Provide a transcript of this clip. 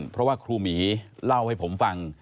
เพราะว่าครูหมีเล่าให้ผมฟัง